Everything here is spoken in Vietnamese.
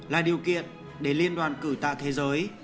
là điều kiện để liên đoàn cử tạ thế giới